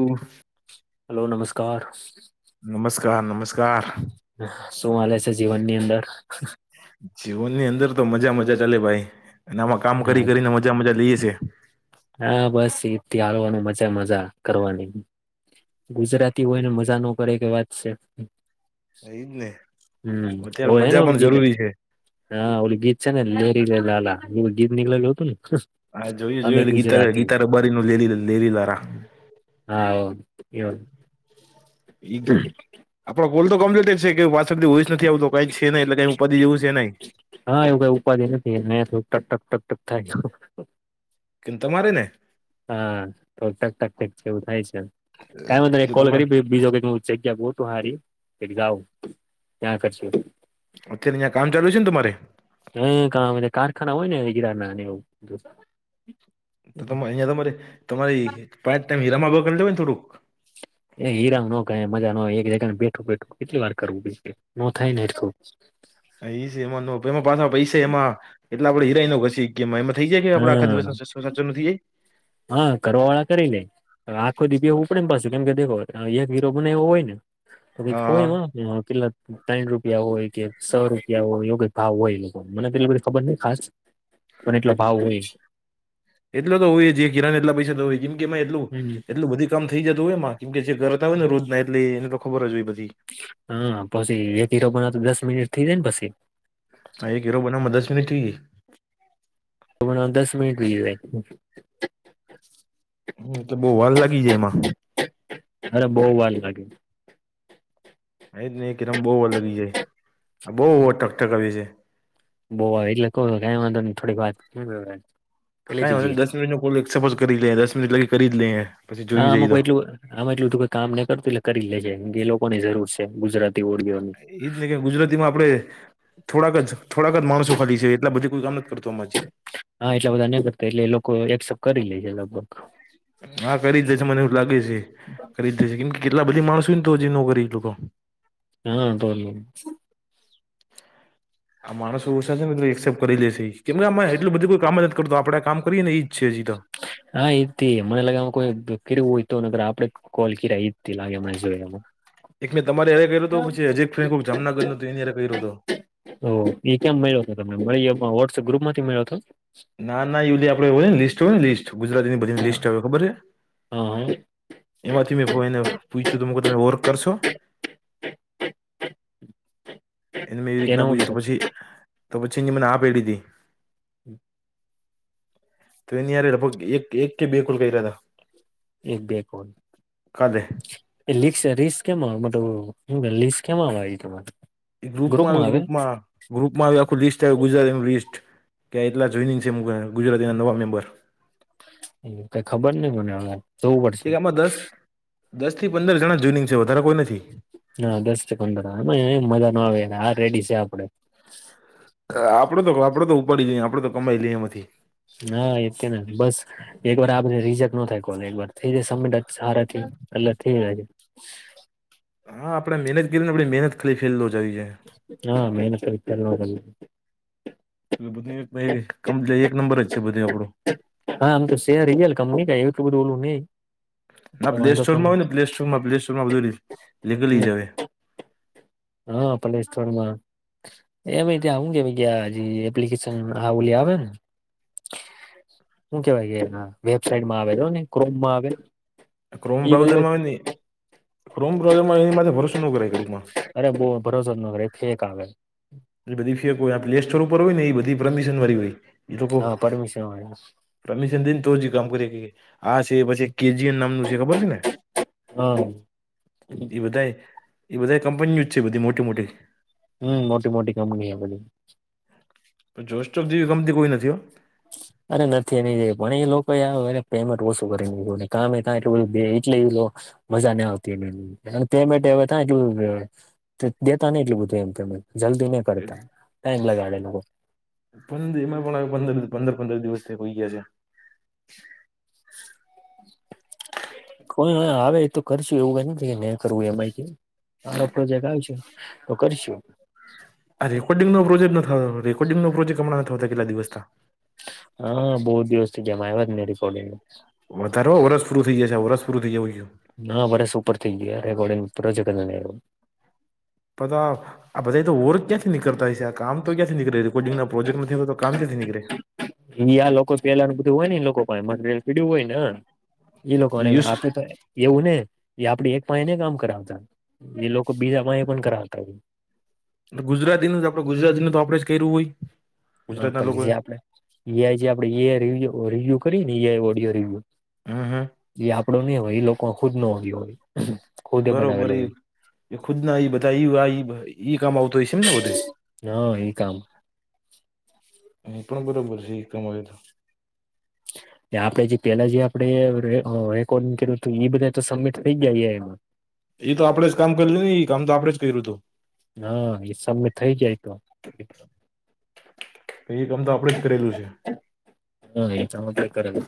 ઉફ્ફ hello નમસ્કાર નમસ્કાર નમસ્કાર શું હાલે છે જીવનની અંદર જીવનની અંદર તો મજા મજા ચાલે ભાઈ અને આમાં કામ હા કરી કરીને મજા મજા લઈએ છે હા બસ એ થી હાલવાનું મજા મજા કરવાની ગુજરાતી હોય ને મજા ન કરે કે વાત છે એજ ને હમ અત્યારે ઓ હેને મજા ઓલું પણ ગીત જરૂરી છે હા ઓલું ગીત છે ને લહેરીલા લાલા ગીત નીકળેલું હતું ને હા જોયું અમે જોયું ગીતા ગુજરાતી ગીતા રબારી નું લહેરીલા લાલા હા હ એવ આપણો કોલ તો કમ્પ્લીટ છે કે પાછળથી વોઇસ નથી આવતો કઈ છે એટલે કઈ પદી એવું છે નહીં હા એવું કઈ ઉપાધિ નથી ને તો ટક ટક ટક ટક થાય કે તમારે ને હા તો ટક ટક ટક છે એવું થાય છે કઈ વાંધો નહી એ એક કોલ તમારે કરી બીજો ક હું જગ્યા બહુ તું હારી એક જઉ ત્યાં કરશું અત્યારે અહીં કામ ચાલુ છે ને તમારે હમમ ગણા બધા કારખાના હોય ને ગિરના એવું [unintelligible] તો ત અહિયાં તમારે તમારી પાંચ ટાઈમ હીરામાં બ કરીને લેય ને થોડુંક એ હીરામ નો મજા નય એક જગ ને બેઠું બેઠું કેટલી વાર કરવું બી ન થાય હરખું એ છે એમાં ન એમાં પાછા પૈસા એમાં એટલે આપણે હીરાય ન ઘસી કે ગમાં એમાં થઈ જાય કે આપણા આખા હા દિવસનો કશું સાચો નથી જાય એ હા કરવા વાળા કરી લે આખો દી બેવું પડે પાછું કેમ દેખો એક હીરો બન્યું હોય ને તો કોઈ હા દેખો કિલત ત્રણ રૂપિયા હોય કે સો રૂપિયા હોય એવો કઈ ભાવ હોય એ લોકો મને એટલી બધી ખબર ન ખાસ પણ એટલો ભાવ હોય એટલો તો હોય જે કિરાણને એટલા પૈસા તો હોય કેમ કે એટું હમ એટલું બધું કામ થઈ જતું હોય એમાં કેમ કે જે ઘરતા હોય ને રોજ ના એટલે એને તો ખબર જ હોય પછી હા પછી વેટી રબર ના દસ મિનિટ થઈ જાય ને પછી હા એક હીરો બનાવમાં દસ મિનટ થઈ જાય તો દસ મિટ ગય. હમ તો બઉુ વાર લાગી જાય એમાં- - અરે બહુ વાર લાગ. એ જ ને એક એકદમ બહુ ઓ લગી જાય આ બહ ઓ ટકટક આવી છે. બોવા એટલે ક ક વાંધ ને થોડીક વાત- - કને દસ મિટ નોલક્સપો કરી લે દસ મિનિટ લી કરી જ લઈએ. પછી જોયું હામ જાય તો કોઈટું- - આમાં એટલું બધું કોઈ કામ નહી કરતું એટલે કરી લેજે એ લોકોની જરૂર છે ગુજરાતી ઓળીઓની- - એજ નહી કે ગુજરાતી માં આપણે થોડાક જ થોડાક જ માણસો ખાલી છે એટલા બધા કોઈ કામ નથી જ કરતો અમાજી- - હા એટલા બધા નને કરતા એટલે લોકો એસેપ કરી લે છે લગભગ- - હા કરી જ દેશે મને એવું લાગે છે કરી જ દે છે કેમ કે- - કેટલા બધી માણસય ને તો હજી નોકરી લોકો- - હા બો- - આ માણસો ઓછા છે ને એ એક્સેપ્ટ કરી લેશે કેમ કેમાં એટલે બધું કોઈ કામ જ કરતો આપડે કામ કરીએને એ- - અચ્છા જી તો. હા એ મને લાગેમાં કોઈ કેવું હોય તો આપડે- - કોલકી રહી જ લાગે મને જોઈ એમાં- - એક મેં તમારે અય્યારે કર્યો હતો પછી હજીક ફ જામનગર નું તો એય કર્યો હતો. ઓ એ ક્યામ મળ્યો હતો તમે મળી વોટ્સઅપ ગ્રુપ માંથી મે્યો હતો. ના ના યુલી આપડે હોય ને લિસ્ટ હોય ને લિસ્ટ ગુજરાતીની બધીની હા લિસ્ટ આવે ખબર છે. હા એમાંથી મેં એને પૂછ્યું ત મ કે તમે વર્ક કરશો? - - [unintelligible] એને મેં એવી રીતના પૂછ્યું તો પછી તો પછી એ મને આ પેડીધી- - હમ- - તો એ ની લગભગ એક કે બે કોલ કહી રહીયા હતા. એક બે કોલ- - કદહે- - એ લી રીસ કેમાં મ શ લીસ કેમાં આવે તમારે- - એ ગ્રુપમાં આવે ગ્રુપમાં- - ગ્રુપમાં આખું લિસ્ટ આવ ગુજરાત એમ લિસ્ટ કે એટલા જોઈનિંગ છે ગુજરાત એના નવા મેમ્બર- - એ કઈ ખબર નહી મને હવે- - આમાં દસ દસ થી પંદર જણા જુનિંગ છે વધારે કોઈ નથી. ના દસ પંદરમાં મજા ના આવે આ રેડી છે આપડે- - આપડે તો આપડે તો ઉપાડી લઈએ આપડે તો કમાઈ લઈએમાંથી- - ના એતે ના બસ- - એક વાર આને રીઝક ન થાય કો એકર થઈ જ સ સાર એટ થઈ- - હા આપણેે મહેનત કરીએ ને આપે મહેનત ખાલી ફેલ જઈ છે. હા મેૈનત વિત્યારે નો- - એ બધું એક એક નંબર જ છે બધું આપડો- - હા આમ તો શેર રયલ કમ ક એવું બધું ઓલું નહી- - ના પ્લે સ્ટોર માં હોય ને પ્લે સ્ટોરમાં પ્લે સ્ટોર માં બધું લીકડી લઈ નઈ. જવે- - હા પલેેશ થડમા- - એમે ત્યાં આવું કે ગ એપ્લિકેશન આવલી આવે ને- - શું કેવાય કે વેબસાાઈટમાં આવેલોને ક્રોમમાં આવે- - ક્રોમ બ્રાઉઝર માંથી ક્રોમ બ્રાઉઝર માં એની ભરોસો ન ગણીડીકમાં- - અરે બહ ભરોસો જ નગર ફેક આવે- - એ બધી ફેર હોય આ પ્લે સ્ટોર ઉપર હોય ને એ બધી પરમિશન વાળી હોય- - હા પરમિશન હોય- - પરમિશન દઈને તો જ કામ કરી આ છે પછી કેજીન નામનું છે ખબર છે ને. હા. એ બધા એ બધા કંપની જ છે, બધી મોટી મોટી. હમ મોટી મોટી કંપની હ બધી. જોસ્ટફ જેવી કંપની કોઈ નથી હો. અરે નથી એની પણ એ લોકો આવેને પેમેન્ટ ઓછું કરી મુયકુ ને કમેકા એટલુ. મજા ન આવતી એ તે હવે થાય કેવુ. દેતા નહી એટું બધું એમ પેમેન્ટ જલ્દી નહી કરતા ટાઈમ લગાડે લોકો. પંદર એમાં પણ પંદર પંદર પંદર દિવસ હોઈ ગયા છે, [inaudible] કોઈ આવે તો કરશું એવું ક કે ન કરવું એમાંય કે. હ રપડોજેક આવ છે, તો કરીશું. આ રેકોર્ડિંગો પ્રોજેક્ટતો રેકોર્ડિંગો પ્રોજેક હમણાં થતા કેટલા દિવસથા. હા બહુ દિવસ થી જેમ આવ્યા મે રેકોડીન. વધારે વર્ષપૂરું થઈ જશે વરસપરું થઈ જવું. હા ભરે સુપર થઈ ગયા રેકોર્ડિંગજ. પધ આ બધા એ તો ઓર ક્યાંથી નીકળતા હોય છે. કામ તો ક્યાં નીકળે રેકોર્ડીંગ પ્રોજેક્ટ નથીતો તો કામ કિયાયાંથી નીકળે. અયા લોકો પેલા નનું બધું હોય ને લોકો મટરિયલ પીડ્યું હોય ને એ લોકોને યુસ આપે તો એવું ને જે આપડે એક પાયાને કામ કરાવતા એ લોકો બીજા પાય પણ કરાવતા ગુજરાતી ન આપડ ગુજરાતી ન તો આપડ જ કર્યું હોય હા ગુજરાતના પણ જે લોકોએ આપણેે આઈ જે આપે રિવ્યુ કરી નેઆ ઓડિયો રિવ્યુ હ હ. એ આપડો નહ હોય એ લોકો ખુદ નો આવ્યો હોય ખુદે બરોબર બનાવેલો હોય એ ખુદ ના એ બધા ઈ- ઇ-ઇ કામો આવતો હોય છે, ન બધે હા એ કામ એ પણ બરોબર છે, એક કમય તો આપડે જે પેલા જે આપડે રે રેકોર્ડ કરિયું એ બધા તો સબમિટ થઈ ગયા એ. એ તો આપડે જ કામ કરલ ને એ કામ તો આપડે જ કર્યું હતું. હા એ સમીટ થઈ ગયા તો તો એ કામ તો આપડે જ કરેલું છે. હા એમાં કરેલુ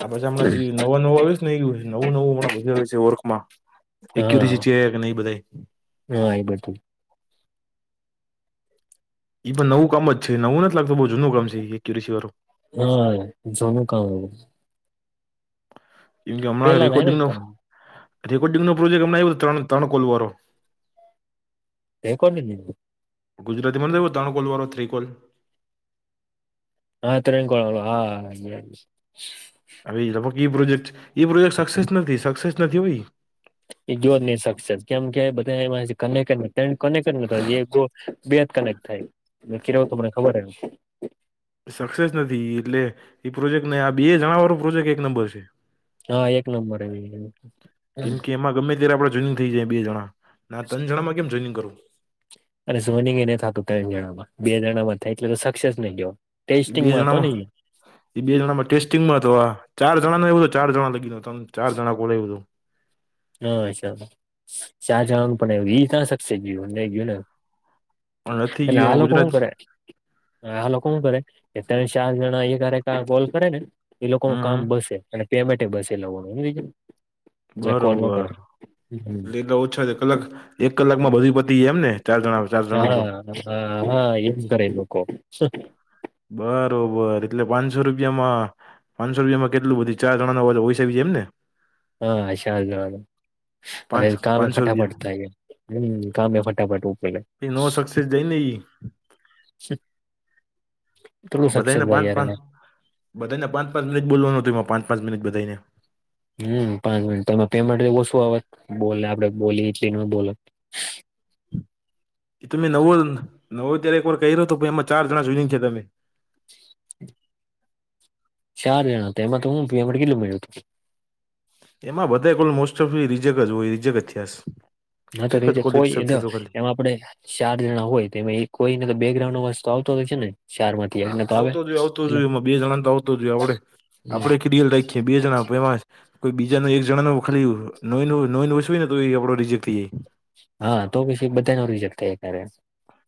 આ પછી હમણાં જે નવા નવું આવ્યું છે, ને એું નવું નવું હમં બધા આવે છે, ઓરખ માં હા એક્યુરીસીચ કે નહી બધા હા એ બધુ એ પણ નવું કામ જ છે, નવું નથી લાગતું બઉુ જૂનું કામ છે, એક્યુસી વાળું હા જોનું કામ આવું કેમ કે હમણાં પેલા ના એને રેકોર્ડિંગ ન કામ રેકોર્ડિંગ નો પ્રોજેક્ટ અમ આવ્યો ત્રણ-ત્રણ કોલવારો. [unintelligible] ગુજરાતીમાં નથી લો ધણકોલ વાો થ્રી કોલ આ ત્રણ કોડ આ યે હ લગગ પ્રોજેક્ટ પ્રોજેક્ટ સક્સેસ નથી સક્સેસ નથી સકસેસ નથી હોઇ એ જો જ નહી શકશે કેમ કે બધા એ ક કેને કજ કનેક જ બે જ કનેક્ટ થાય કેું મને ખબરજ છે. સક્સેસ નથી એટલે એ પ્રોજેક્ટ ને આ બે જણાવાળો પ્રોજેક્ટ એક નંબર છે. હા એક નંબર કેમ કે એમાં ગમે ત્યારે આપણે જોઈનિંગ થઈ જાય બે જણા ના ત્રણ જણામાં કેમ જોઈનિગ કરવું અને સોનીંગ એ ન થતું ત્રણ જણા માં બે જણા માં થાય એટલે તો સક્સેસ નહી ગયો બે ટેસ્ટિંગમાં હતો ને જણામાં ઈ. એ બે જણા માં ટેસ્ટિંગમાં હતો આ ચાર જણા ન એવ ચાર જણા લાગી ત ચાર જણા કોલે હતું હા્છા ચાચા અંગ પણ એ ત શકશે ગું ન ગયું ને પણ નથી એટલે ગયું આ એમાં લોકો હુ ગુજરાત કરે એ હા લોકો હું કરે, કે તણ ચાર જણા એક હારે કોલ કરે ને એ લોકો નું કામ હમ બસે અને પેમેન્ટ બસે લોકોનું બીજું. હમ બરોબર એટલે ઓછા છે કલાક એક કલાક માં બધી પતી જા એમ ને. ચાર જણા ચાર જણાનું કામ હા, હા, હા, એમ કરે લોકો. બરોબર એટલે પાંચસો રૂપિયામાં પાંચસો રૂપિયામાં કેટલું બધી ચાર જણા હોય છે એમ ને હા આશા [unintelligible] અને પાંચ કામે પાંચસો ફટાફટ રૂપિયા થાય હમ કામે ફટાફટ ઉપલે કઈ નહી [unintelligible] [inaudible] બધાઈને થાય પાંચ યાર પાંચ એમાં. બધાઈને પાંચ પાંચ મિનિટ બોલવા નો તું પાચ પાંચ મિનિટ બધાઈને. હમ પાંચ મિનિટ તો એમાં પેમેન્ટ ઓછું આવત બોલે આપડે બોલી એટલી ન બોલત એ તમે નવો નવો ત્યારે એક વાર કહી રહ્યો હતો પણ એમાં ચાર જણા જ જોઈનિંગ છે તમે. [inaudible] ચાર જણા તો એમાં તો હું કેટલું મળ્યું તેમાં બધાય કોલ મોસ્ટ ઓફલી રીજેકટ જ હોય રીજેકટ જ થયા શ. હા તો રીજેકટ કોઈ એના એમાં આપડે ચાર જણા હોય તેમા કોઈને તો બેકગ્રાઉન્ડ અવાજ આવતો હોય છે, ને ચાર માંથી હા એકને તો આવે આવતો જ હોય આવતો જ એટલે હોય એમાં, બે જણાને તો આવતો જ હોય આપડે હમ. આપડે [unintelligible] કે બે જણા [unintelligible] કોઈ બીજા ન એક જણા ન ખાલી નવે નવું નવે નવું છું હોય ને તો આપડો રીજેક્ટ થઈ જાય. હા તો પછી બધાય નો રીજેક થાય એ કારે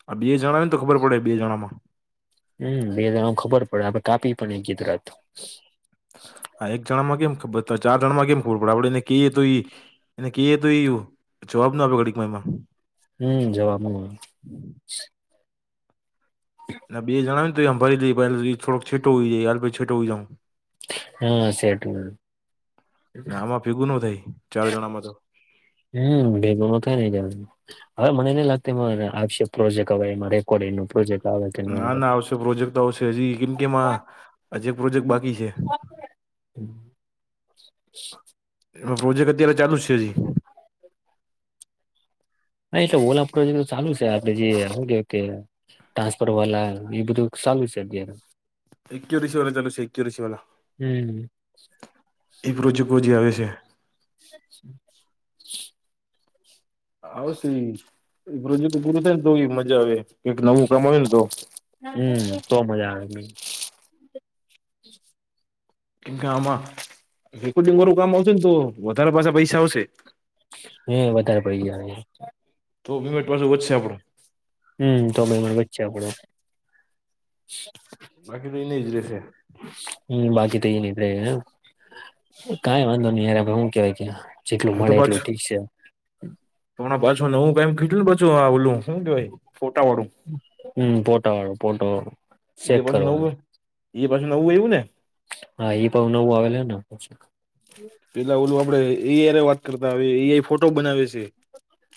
આ બે જણા ને તો ખબર પડે બે જણા માં. હમ બે દાળ ખબર પડે [inaudible] હ એક જણા માં કેમ ખબર ત ચાર જણા માં કેમ ખબર પડે આપડે એને કિયે તો ઈ એને કઇએ તો એવુ, જવાબ ના આપે ઘડીકમાં એમાં. હમ જવાવામાં. હમ. ના બે જણાવ હોય ને તોય અંભારી દઇએ પણ [unintelligible] છેટો હોઈય હ છેટો હોઈ જઉ. હા સેટ આમાં ભીગું ન થાય ચાર જણામાં તો હમ ભેગોનો થાય જાય હવે મનેની લાગતિ એમાં, આપશે પ્રોજેક્ટ હવે એમાં રેકોર્ડિંગ નુ પ્રોજેક્ટ. આવે કે ન ના આવે ના આવશે, પ્રોજેક્ટ તો આવશે હજી, કેમકે એમાં હજી એક પ્રોજેક્ટ બાક બી છે. એમાં પ્રોજેક્ટ અત્યારે ચાલુજ છે હજી? ના એ તો ઓલા પ્રોજેકટ તો ચાલુ છે આપડે જે શુ કેવાય કે ટાસપર વાલા, એ બધું સાલું છે અત્યારે. એક રષિ વાલા [unintelligible] હમ એક રોજે [unintelligible] આવે છે. [inaudible] આવશે ઇ, ઇ પ્રોજેક્ટ પૂરું થાય ને તો ઇ મજા આવે કઈક નવું કામ આવે ને તો. હમમમ... તો મજા આવે. કેમકે આમાં રેકોર્ડિંગ વારું કામ આવશે ન તો, વધારે પાછા પૈસા આવશે. હમ્મ, વધારે પડી ગયા હવે. તો [unintelligible] પાછો વધશે આપડો હમમમ [unintelligible] વચ્ચે આપણો. બાકી તો એનીજ રેશે. હમ્મ, બાકી તો એ નીકળે, કઈ વાંધો નહીય હું કેવાય કે્યા. જેટલું મળે એટલું ઠીક છે. હમણા પાછું નવું [inaudible] કેટલું પાછું ઓલું શું કેવાય ફોટા વાળું? હમ ફોટા વાળું ફોટા વાળું એ પાછું નવું એ પાછું નવું આયવુ ને? હા એ પણ નવું આવેલ [inaudible] પેલા ઓલું આપડે એય વાત કરતા ઈ એ ફોટો બનાવે છે.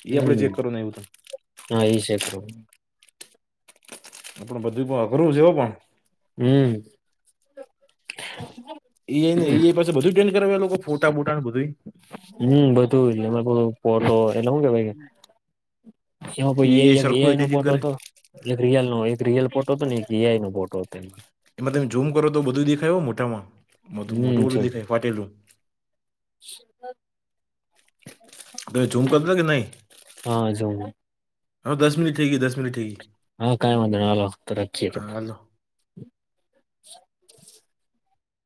ઈ આપડે હમ ચેક કરવાનું આયવુતું. હા સેક કર [inaudible] આપણે બધુંય બઉ અઘરું છે હો પણ. હમ્મ ઈ ને ઈ પાસે બધું ટ્રેન કરાવવાનું પણ [inaudible] ફોટા બોટાય બધું? હમ બધુંય [inaudible] ફોટો એટલે [inaudible] એમાં એઆઈ ઈ એ સરખું આઈ નો એડિટિંગ ફોટો કરે હતો? એક રિયલ નો એક રિયલ ફોટો હતો ને એક એ આઈ નો ફોટો હતો એનો. એમાં તમે ઝુમ કરો તો બધુંય દેખાય હો મોટામાં મોટું હમ બધું છે દેખાય ફાટેલું. [inaudible] [inaudible] ઝુમ કરતા કે નહી હા જો હ દસ મિનિટ થઇ ગય દસ મિનિટ થઇ ગય. હા કાઈ વાંધો નહીં હાલો તો રખીયે